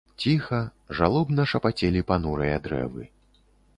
Ціха, жалобна шапацелі панурыя дрэвы.